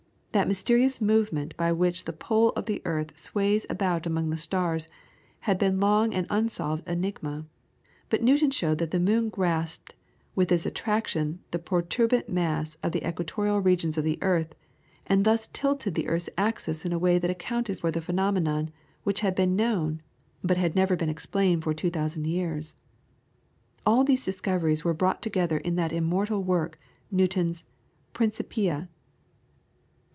That mysterious movement by which the pole of the earth sways about among the stars had been long an unsolved enigma, but Newton showed that the moon grasped with its attraction the protuberant mass at the equatorial regions of the earth, and thus tilted the earth's axis in a way that accounted for the phenomenon which had been known but had never been explained for two thousand years. All these discoveries were brought together in that immortal work, Newton's "Principia."